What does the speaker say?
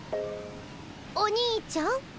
「お兄ちゃん」？